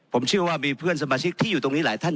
ผมเชื่อว่ามีเพื่อนสมาชิกที่อยู่ตรงนี้หลายท่าน